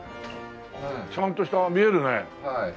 ちゃんとした見えるね。